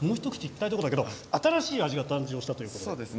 新しい味が誕生したということで。